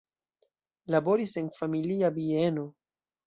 Laboris en familia bieno.